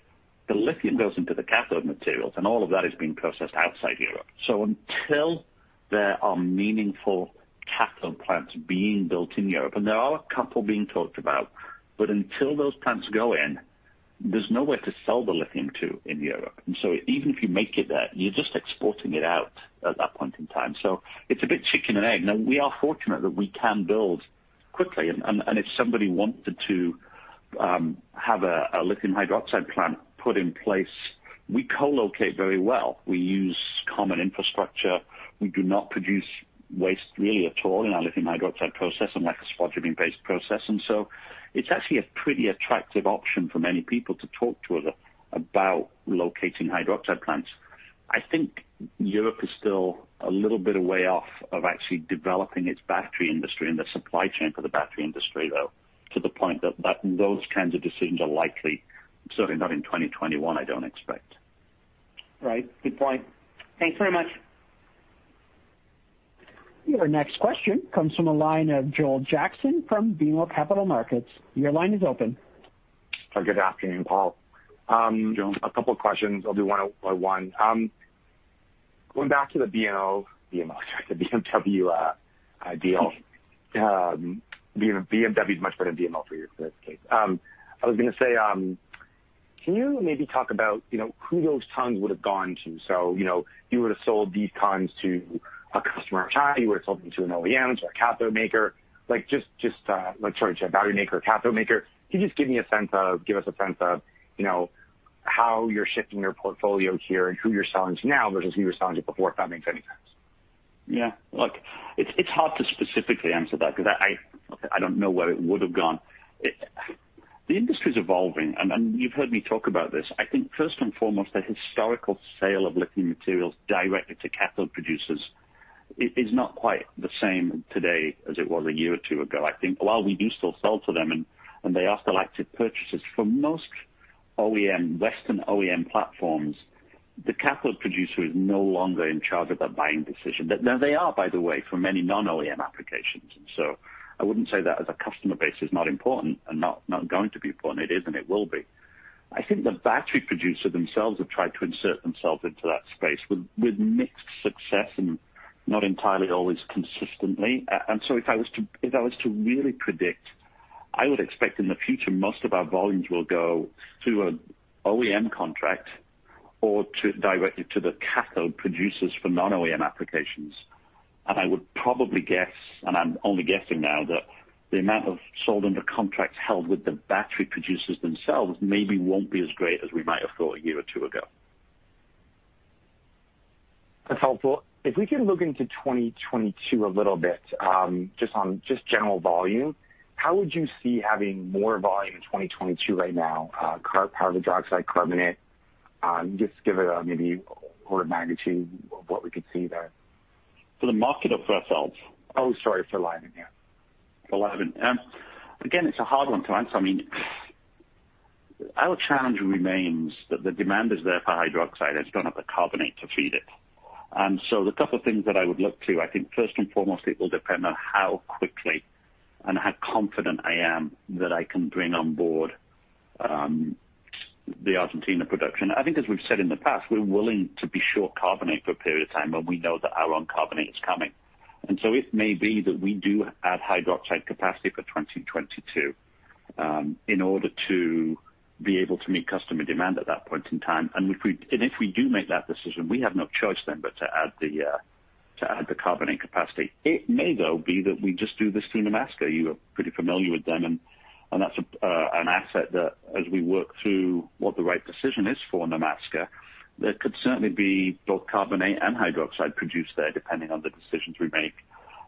the lithium goes into the cathode materials and all of that is being processed outside Europe. Until there are meaningful cathode plants being built in Europe, and there are a couple being talked about, but until those plants go in, there's nowhere to sell the lithium to in Europe. Even if you make it there, you're just exporting it out at that point in time. It's a bit chicken and egg. Now, we are fortunate that we can build quickly, and if somebody wanted to have a lithium hydroxide plant put in place, we co-locate very well. We use common infrastructure. We do not produce waste really at all in our lithium hydroxide process, unlike a spodumene-based process. It's actually a pretty attractive option for many people to talk to us about locating hydroxide plants. I think Europe is still a little bit away off of actually developing its battery industry and the supply chain for the battery industry, though, to the point that those kinds of decisions are likely, certainly not in 2021, I don't expect. Right. Good point. Thanks very much. Your next question comes from the line of Joel Jackson from BMO Capital Markets. Your line is open. Good afternoon, Paul. Joel. A couple questions. I'll do one by one. Going back to the BMO, sorry, the BMW deal. BMW is much better than BMO for this case. I was going to say, can you maybe talk about who those tons would have gone to? You would have sold these tons to a customer of China, you would have sold them to an OEM, to a cathode maker. Like, sorry, to a battery maker, a cathode maker. Can you just give us a sense of how you're shifting your portfolio here and who you're selling to now versus who you were selling to before, if that makes any sense? Yeah. Look, it is hard to specifically answer that because I don't know where it would have gone. The industry is evolving, and you have heard me talk about this. I think first and foremost, the historical sale of lithium materials directly to cathode producers is not quite the same today as it was a year or two ago. I think while we do still sell to them and they are still active purchasers, for most Western OEM platforms, the cathode producer is no longer in charge of that buying decision. Now they are, by the way, for many non-OEM applications, and so I wouldn't say that as a customer base is not important and not going to be important. It is, and it will be. I think the battery producer themselves have tried to insert themselves into that space with mixed success and not entirely always consistently. If I was to really predict, I would expect in the future, most of our volumes will go to an OEM contract or directly to the cathode producers for non-OEM applications. I would probably guess, and I'm only guessing now, that the amount of sold under contracts held with the battery producers themselves maybe won't be as great as we might have thought a year or two ago. That's helpful. If we can look into 2022 a little bit, just on general volume, how would you see having more volume in 2022 right now, hydroxide, carbonate? Just give it maybe order of magnitude of what we could see there? For the market or for ourselves? Oh, sorry. For Livent, yeah. For Livent. It's a hard one to answer. I mean, our challenge remains that the demand is there for hydroxide, it's gone up to carbonate to feed it. The couple of things that I would look to, I think first and foremost, it will depend on how quickly and how confident I am that I can bring on board the Argentina production. I think as we've said in the past, we're willing to be short carbonate for a period of time when we know that our own carbonate is coming. It may be that we do add hydroxide capacity for 2022 in order to be able to meet customer demand at that point in time. If we do make that decision, we have no choice then but to add the carbonate capacity. It may, though, be that we just do this through Nemaska. You are pretty familiar with them, and that's an asset that as we work through what the right decision is for Nemaska, there could certainly be both carbonate and hydroxide produced there, depending on the decisions we make.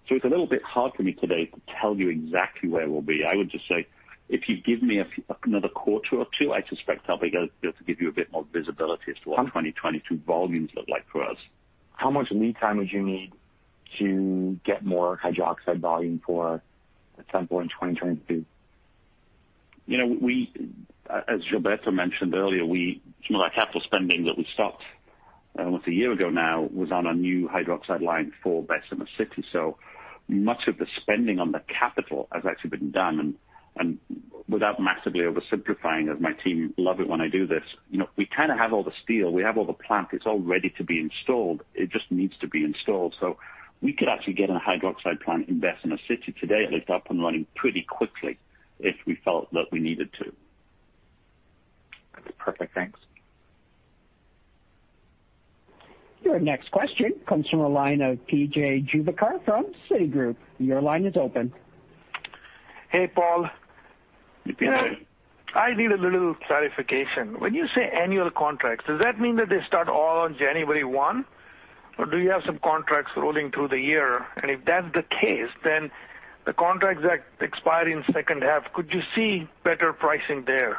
It's a little bit hard for me today to tell you exactly where we'll be. I would just say, if you give me another quarter or two, I suspect I'll be able to give you a bit more visibility as to what 2022 volumes look like for us. How much lead time would you need to get more hydroxide volume for, at some point in 2022? As Gilberto mentioned earlier, some of that capital spending that we stopped almost a year ago now was on a new hydroxide line for Bessemer City. Much of the spending on the capital has actually been done. Without massively oversimplifying, as my team love it when I do this, we have all the steel, we have all the plant, it's all ready to be installed. It just needs to be installed. We could actually get a hydroxide plant in Bessemer City today, at least up and running pretty quickly if we felt that we needed to. That's perfect. Thanks. Your next question comes from the line of PJ Juvekar from Citigroup. Your line is open. Hey, Paul. Hey, PJ. I need a little clarification. When you say annual contracts, does that mean that they start all on January 1? Do you have some contracts rolling through the year? If that's the case, then the contracts that expire in the second half, could you see better pricing there?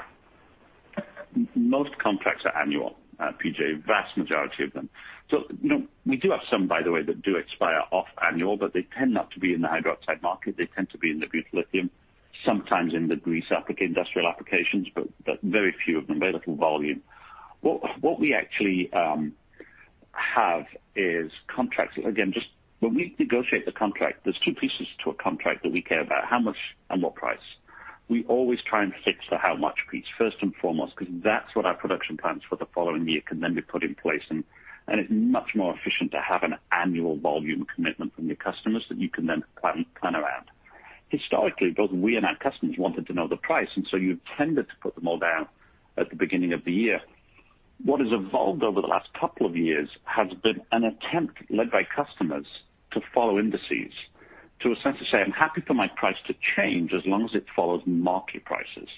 Most contracts are annual, PJ, vast majority of them. We do have some, by the way, that do expire off annual, but they tend not to be in the hydroxide market. They tend to be in the butyllithium, sometimes in the industrial applications, but very few of them, very little volume. What we actually have is contracts. Again, when we negotiate the contract, there's two pieces to a contract that we care about, how much and what price. We always try and fix the how much piece first and foremost, because that's what our production plans for the following year can then be put in place. It's much more efficient to have an annual volume commitment from your customers that you can then plan around. Historically, both we and our customers wanted to know the price. You tended to put them all down at the beginning of the year. What has evolved over the last couple of years has been an attempt led by customers to follow indices, to a sense to say, "I'm happy for my price to change as long as it follows market prices."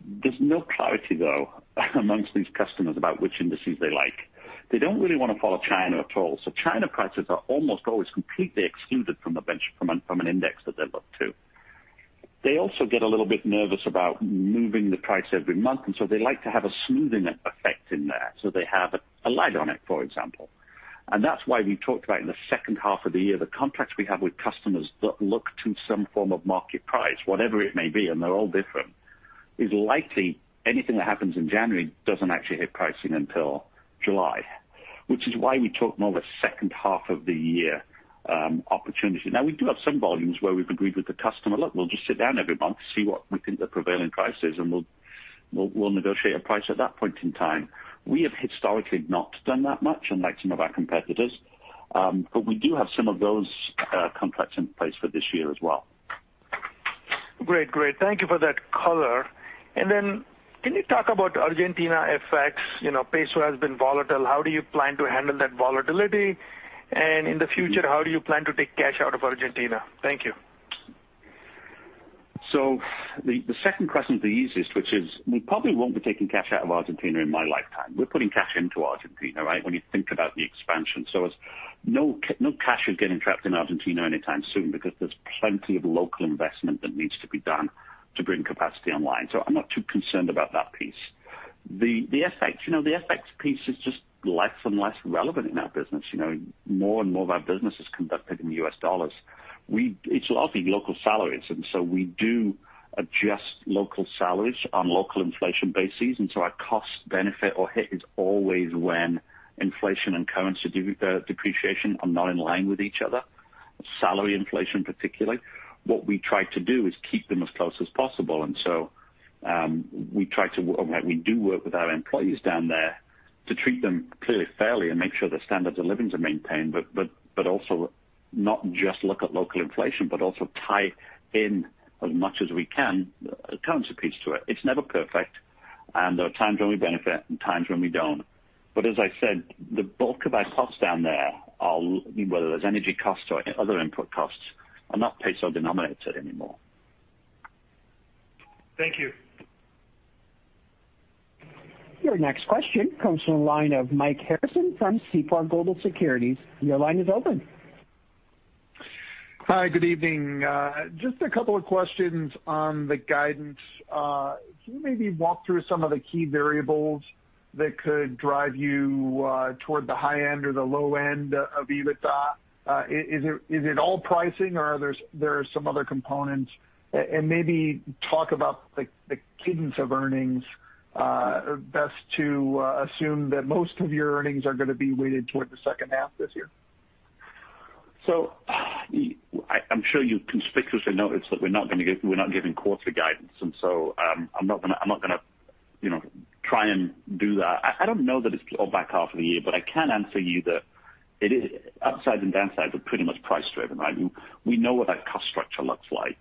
There's no clarity, though, amongst these customers about which indices they like. They don't really want to follow China at all. China prices are almost always completely excluded from an index that they look to. They also get a little bit nervous about moving the price every month. They like to have a smoothing effect in there. They have a lag on it, for example. That's why we talked about in the second half of the year, the contracts we have with customers that look to some form of market price, whatever it may be, and they're all different, is likely anything that happens in January doesn't actually hit pricing until July, which is why we talk more of a second half of the year opportunity. Now, we do have some volumes where we've agreed with the customer, "Look, we'll just sit down every month, see what we think the prevailing price is, and we'll negotiate a price at that point in time." We have historically not done that much, unlike some of our competitors. We do have some of those contracts in place for this year as well. Great. Thank you for that color. Can you talk about Argentina FX? Peso has been volatile. How do you plan to handle that volatility? In the future, how do you plan to take cash out of Argentina? Thank you. The second question is the easiest, which is we probably won't be taking cash out of Argentina in my lifetime. We're putting cash into Argentina, right? When you think about the expansion. No cash is getting trapped in Argentina anytime soon because there's plenty of local investment that needs to be done to bring capacity online. I'm not too concerned about that piece. The FX piece is just less and less relevant in our business. More and more of our business is conducted in U.S. dollars. It's largely local salaries, we do adjust local salaries on local inflation bases. Our cost benefit or hit is always when inflation and currency depreciation are not in line with each other, salary inflation particularly. What we try to do is keep them as close as possible. We do work with our employees down there to treat them clearly fairly and make sure their standards of living are maintained, but also not just look at local inflation, but also tie in as much as we can a currency piece to it. It's never perfect, and there are times when we benefit and times when we don't. As I said, the bulk of our costs down there, whether that's energy costs or other input costs, are not peso denominated anymore. Thank you. Your next question comes from the line of Mike Harrison from Seaport Global Securities. Your line is open. Hi, good evening. Just a couple of questions on the guidance. Can you maybe walk through some of the key variables that could drive you toward the high end or the low end of EBITDA? Is it all pricing or are there some other components? Maybe talk about the cadence of earnings. Best to assume that most of your earnings are going to be weighted toward the second half this year? I'm sure you've conspicuously noticed that we're not giving quarterly guidance. I'm not going to try and do that. I don't know that it's all back half of the year, but I can answer you that upsides and downsides are pretty much price-driven, right? We know what that cost structure looks like.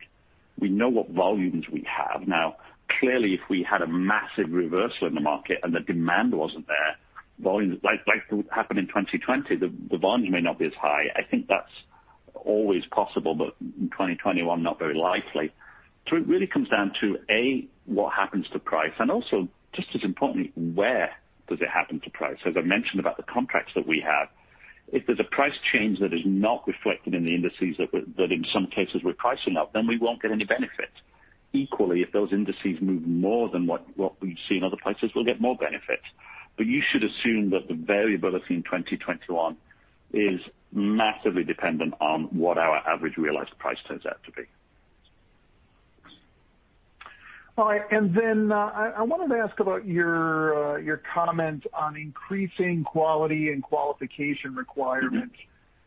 We know what volumes we have. Now, clearly, if we had a massive reversal in the market and the demand wasn't there, like what happened in 2020, the volume may not be as high. I think that's always possible, but in 2021, not very likely. It really comes down to, A, what happens to price, and also, just as importantly, where does it happen to price? As I mentioned about the contracts that we have, if there's a price change that is not reflected in the indices that in some cases we're pricing up, then we won't get any benefit. Equally, if those indices move more than what we see in other places, we'll get more benefit. You should assume that the variability in 2021 is massively dependent on what our average realized price turns out to be. All right. I wanted to ask about your comment on increasing quality and qualification requirements.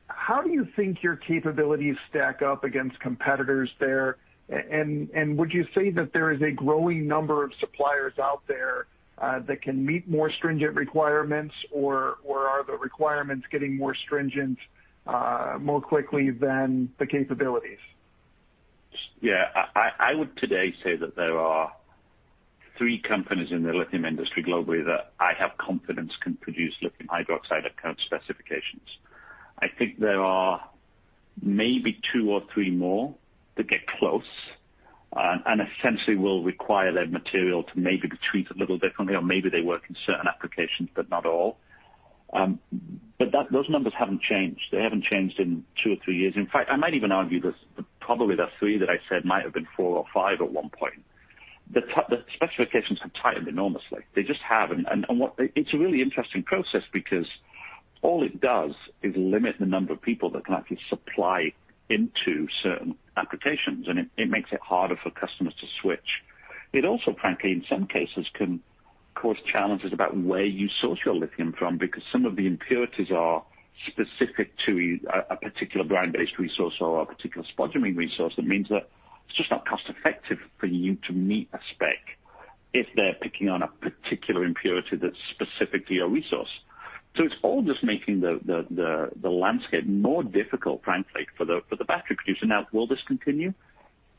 How do you think your capabilities stack up against competitors there? Would you say that there is a growing number of suppliers out there that can meet more stringent requirements, or are the requirements getting more stringent more quickly than the capabilities? Yeah. I would today say that there are three companies in the lithium industry globally that I have confidence can produce lithium hydroxide at current specifications. I think there are maybe two or three more that get close, and essentially will require their material to maybe be treated a little differently or maybe they work in certain applications, but not all. Those numbers haven't changed. They haven't changed in two or three years. In fact, I might even argue that probably the three that I said might have been four or five at one point. The specifications have tightened enormously. They just have. It's a really interesting process because all it does is limit the number of people that can actually supply into certain applications, and it makes it harder for customers to switch. It also, frankly, in some cases, can cause challenges about where you source your lithium from because some of the impurities are specific to a particular brine-based resource or a particular spodumene resource. That means that it's just not cost-effective for you to meet a spec if they're picking on a particular impurity that's specific to your resource. It's all just making the landscape more difficult, frankly, for the battery producer. Will this continue?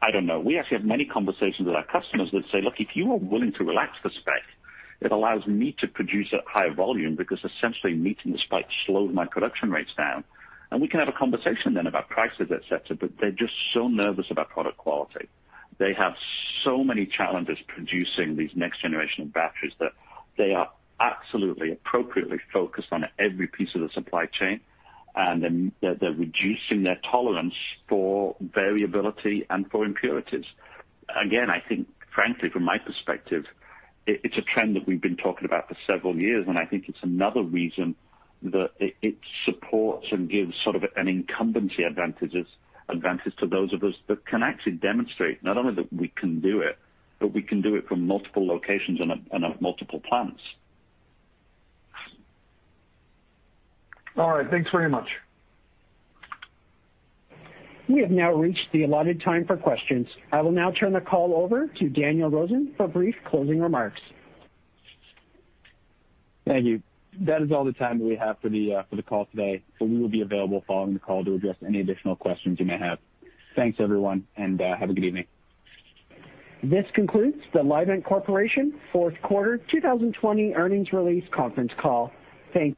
I don't know. We actually have many conversations with our customers that say, "Look, if you are willing to relax the spec, it allows me to produce at high volume because essentially meeting the spec slowed my production rates down." We can have a conversation then about prices, et cetera, but they're just so nervous about product quality. They have so many challenges producing these next generation of batteries that they are absolutely appropriately focused on every piece of the supply chain, and they're reducing their tolerance for variability and for impurities. Again, I think, frankly, from my perspective, it's a trend that we've been talking about for several years, and I think it's another reason that it supports and gives sort of an incumbency advantage to those of us that can actually demonstrate not only that we can do it, but we can do it from multiple locations and multiple plants. All right. Thanks very much. We have now reached the allotted time for questions. I will now turn the call over to Daniel Rosen for brief closing remarks. Thank you. That is all the time that we have for the call today, but we will be available following the call to address any additional questions you may have. Thanks, everyone, and have a good evening. This concludes the Livent Corporation fourth quarter 2020 earnings release conference call. Thank you.